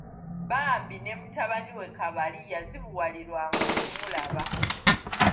Bambi ne mutabani we Kabali yazibuwalirwanga okumulaba.